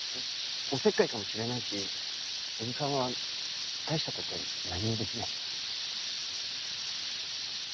おせっかいかもしれないしおじさんは大した事何もできないけど。